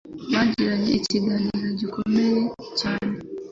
Bagiranye ikiganiro gikomeye cyane.